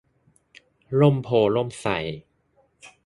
ร่มโพธิ์ร่มไทร